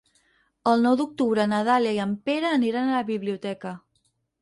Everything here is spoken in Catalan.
El nou d'octubre na Dàlia i en Pere aniran a la biblioteca.